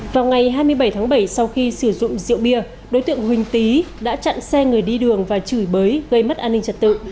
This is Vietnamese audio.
vào ngày hai mươi bảy tháng bảy sau khi sử dụng rượu bia đối tượng huỳnh tý đã chặn xe người đi đường và chửi bới gây mất an ninh trật tự